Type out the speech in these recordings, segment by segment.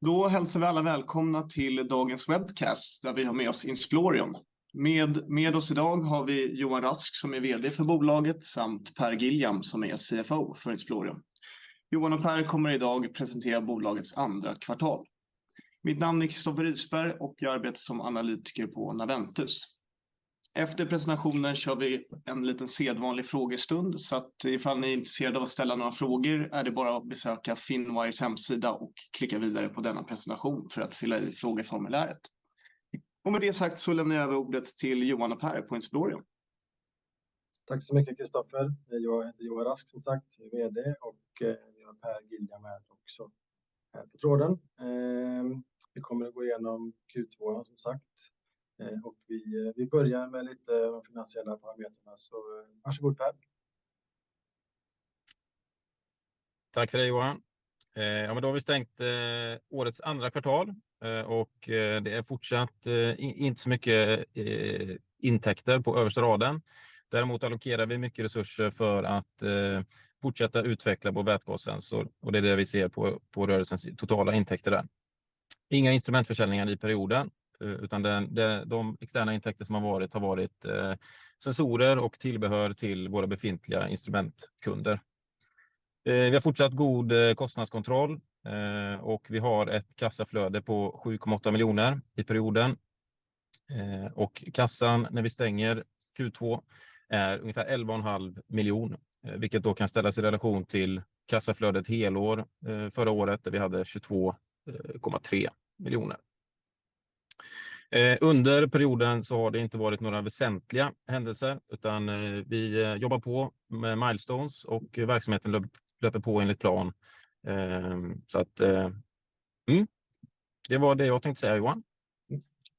Då hälsar vi alla välkomna till dagens webcast, där vi har med oss Insplorion. Med oss i dag har vi Johan Rask, som är VD för bolaget, samt Per Giljam, som är CFO för Insplorion. Johan och Per kommer i dag presentera bolagets andra kvartal. Mitt namn är Christoffer Risberg och jag arbetar som analytiker på Naventus. Efter presentationen kör vi en liten sedvanlig frågestund, så att ifall ni är intresserade av att ställa några frågor är det bara att besöka Finwire hemsida och klicka vidare på denna presentation för att fylla i frågeformuläret. Med det sagt lämnar jag över ordet till Johan och Per på Insplorion. Tack så mycket, Christoffer. Jag heter Johan Rask, som sagt, VD, och vi har Per Giljam med också här på tråden. Vi kommer att gå igenom Q2, som sagt, och vi börjar med lite finansiella parametrar. Varsågod, Per. Tack för det, Johan. Vi har stängt årets andra kvartal och det är fortsatt inte så mycket intäkter på översta raden. Däremot allokerar vi mycket resurser för att fortsätta utveckla vår vätgassensor och det är det vi ser på rörelsens totala intäkter. Inga instrumentförsäljningar i perioden, utan de externa intäkter som har varit har varit sensorer och tillbehör till våra befintliga instrumentkunder. Vi har fortsatt god kostnadskontroll och vi har ett kassaflöde på 7,8 miljoner i perioden. Kassan när vi stänger Q2 är ungefär 11,5 miljoner, vilket kan ställas i relation till kassaflödet helår förra året, där vi hade 22,3 miljoner. Under perioden har det inte varit några väsentliga händelser, utan vi jobbar på med milestones och verksamheten löper på enligt plan. Det var det jag tänkte säga, Johan.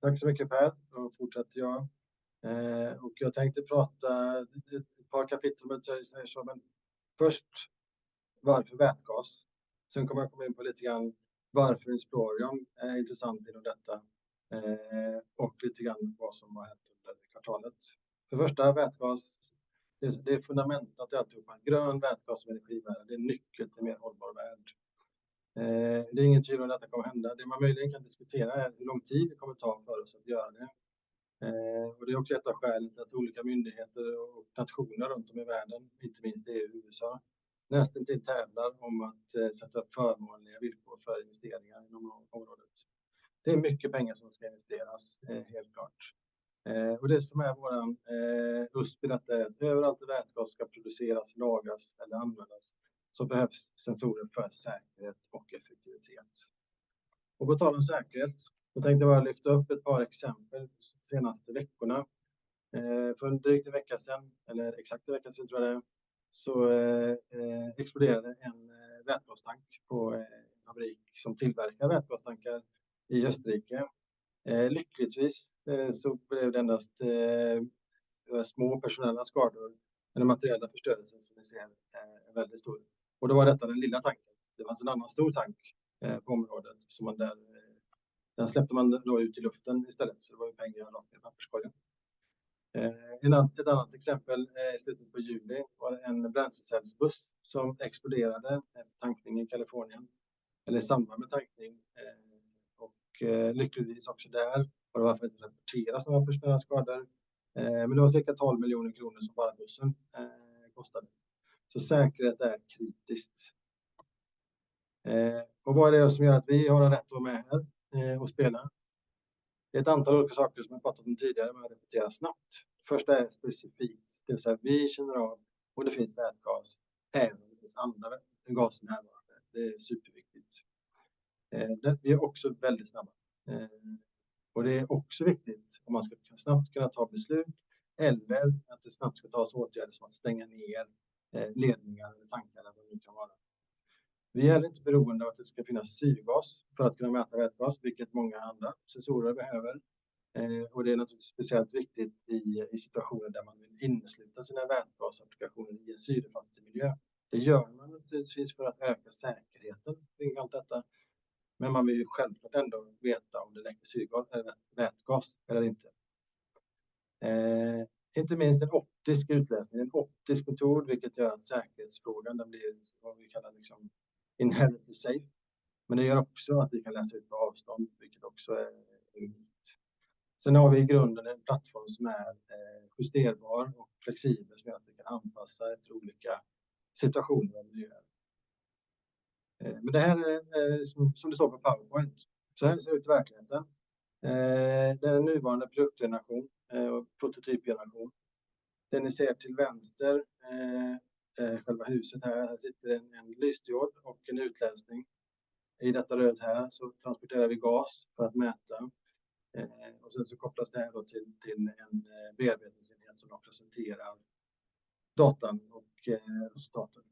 Tack så mycket, Per. Då fortsätter jag. Jag tänkte prata ett par kapitel, men först: varför vätgas? Sen kommer jag komma in på lite grann varför Insplorion är intressant inom detta, och lite grann vad som har hänt under kvartalet. För det första, vätgas, det är fundamentet till alltihop. En grön vätgas som är fri värld, det är nyckeln till en mer hållbar värld. Det är ingen tvekan om att detta kommer hända. Det man möjligen kan diskutera är hur lång tid det kommer ta för oss att göra det. Det är också ett av skälen till att olika myndigheter och nationer runt om i världen, inte minst i USA, nästintill tävlar om att sätta upp förmånliga villkor för investeringar inom området. Det är mycket pengar som ska investeras, helt klart. Det som är vår USP i detta är att överallt där vätgas ska produceras, lagras eller användas, så behövs sensorer för säkerhet och effektivitet. På tal om säkerhet, så tänkte jag bara lyfta upp ett par exempel de senaste veckorna. För exakt en vecka sedan exploderade en vätgastank på en fabrik som tillverkar vätgastankar i Österrike. Lyckligtvis blev det endast små personella skador, men den materiella förstörelsen som ni ser är väldigt stor. Det var den lilla tanken. Det fanns en annan stor tank på området, den släppte man ut i luften istället, så det var pengar rakt i papperskorgen. Ett annat exempel i slutet av juli var en bränslecellsbuss som exploderade i samband med tankning i Kalifornien. Lyckligtvis har det även där rapporterats några personella skador, men det var cirka 12 miljoner kronor som bara bussen kostade. Säkerhet är kritiskt. Vad är det som gör att vi har rätt att vara med här och spela? Det är ett antal olika saker som jag pratat om tidigare, men jag repeterar snabbt. Det första är specifikt, det vill säga vi känner av och det finns vätgas även när den andra gasen är närvarande. Det är superviktigt. Vi är också väldigt snabba, och det är också viktigt om man ska snabbt kunna ta beslut eller att det snabbt ska tas åtgärder som att stänga ner ledningar eller tankar. Vi är inte beroende av att det ska finnas syrgas för att kunna mäta vätgas, vilket många andra sensorer behöver. Det är naturligtvis speciellt viktigt i situationer där man vill innesluta sina vätgasapplikationer i en syrefri miljö. Det gör man naturligtvis för att öka säkerheten kring allt detta, men man vill ju självklart ändå veta om det läcker syrgas eller vätgas eller inte. Inte minst en optisk utläsning, en optisk metod, vilket gör att säkerhetsfrågan, den blir vad vi kallar inherently safe. Men det gör också att vi kan läsa ut på avstånd, vilket också är unikt. Sen har vi i grunden en plattform som är justerbar och flexibel, så att vi kan anpassa efter olika situationer och miljöer. Men det här är, som du såg på PowerPoint, såhär ser det ut i verkligheten. Det är en nuvarande produktgeneration och prototypgeneration. Det ni ser till vänster är själva huset. Här sitter en lysdiod och en utläsning. I detta rör här transporterar vi gas för att mäta. Sen kopplas det här till en bearbetningsenhet som presenterar datan och resultaten.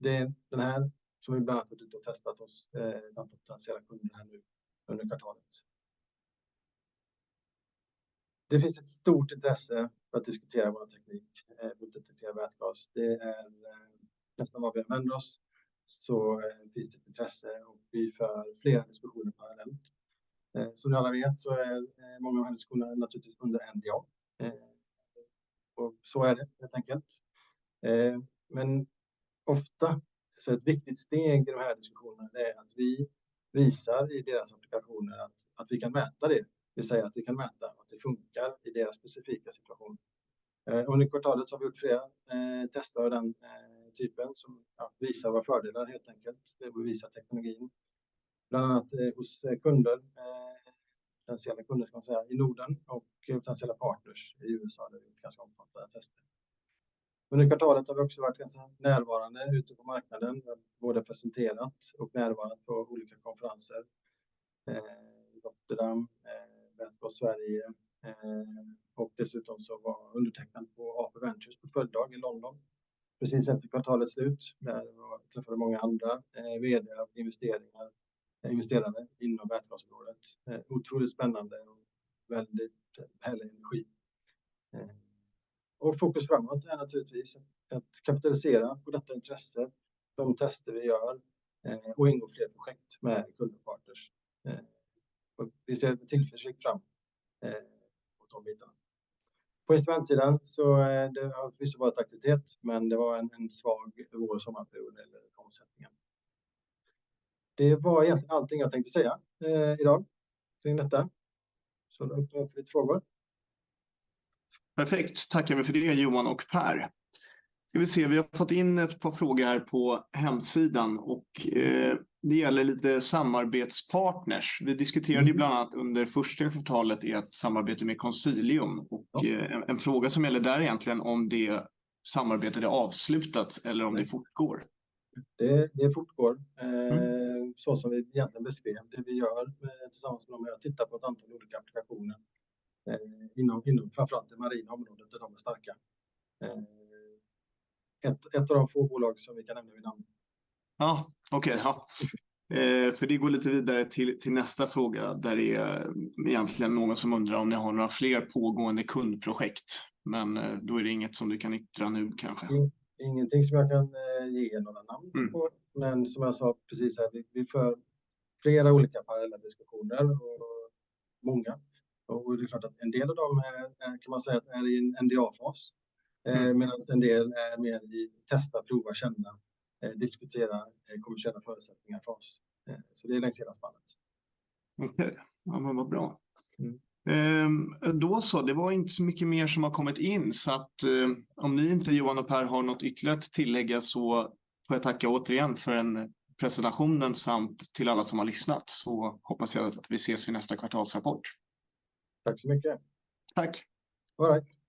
Det är den här som vi börjat gå ut och testat oss med potentiella kunder under kvartalet. Det finns ett stort intresse för att diskutera vår teknik för att detektera vätgas. Det är nästan var vi använder oss, finns det intresse och vi för flera diskussioner på högre nivå. Som ni alla vet är många av kunderna naturligtvis under NDA, och så är det helt enkelt. Men ofta är ett viktigt steg i de här diskussionerna att vi visar i deras applikationer att vi kan mäta det, det vill säga att vi kan mäta att det funkar i deras specifika situation. Under kvartalet har vi gjort flera tester av den typen som visar våra fördelar, helt enkelt. Det visar teknologin bland annat hos kunder – potentiella kunder ska man säga – i Norden och potentiella partners i USA. Det är ganska omfattande tester. Under kvartalet har vi också varit ganska närvarande ute på marknaden, både presenterat och närvarat på olika konferenser: Rotterdam, Vätgas Sverige, och dessutom var undertecknad på AP Ventures på föredrag i London. Precis efter kvartalets slut träffade jag många andra VD:ar och investerare inom vätgasområdet. Otroligt spännande och väldigt härlig energi. Fokus framåt är naturligtvis att kapitalisera på detta intresse, de tester vi gör, och ingå fler projekt med kunder och partners. Vi ser med tillförsikt fram mot de bitarna. På instrumentsidan har det nyss varit aktivitet, men det var en svag vår- och sommarperiod för omsättningen. Det var egentligen allting jag tänkte säga i dag kring detta. Då öppnar jag för frågor. Perfekt, tackar vi för det, Johan och Pär. Ska vi se, vi har fått in ett par frågor här på hemsidan och det gäller lite samarbetspartners. Vi diskuterade ju bland annat under första kvartalet i ett samarbete med Consilium. Och en fråga som gäller där är egentligen om det samarbetet det avslutats eller om det fortgår? Det fortgår. Som vi egentligen beskrev, det vi gör tillsammans med dem är att titta på ett antal olika applikationer, inom framför allt det marina området, där de är starka. Ett av de få bolag som vi kan nämna vid namn. Det går lite vidare till nästa fråga. Det är egentligen någon som undrar om ni har några fler pågående kundprojekt, men det är inget som du kan yttra nu, kanske? Ingenting som jag kan ge er några namn på, men som jag sa precis, vi för flera olika parallella diskussioner och många. Det är klart att en del av dem kan man säga att det är i en NDA-fas, medan en del är mer i testa, prova, känna, diskutera kommersiella förutsättningar för oss. Det är längs hela spannet. Okej, men vad bra. Då så, det var inte så mycket mer som har kommit in. Om ni inte Johan och Pär har något ytterligt att tillägga, så får jag tacka återigen för den presentationen samt till alla som har lyssnat. Jag hoppas att vi ses vid nästa kvartalsrapport. Tack så mycket. Tack! Bye, bye.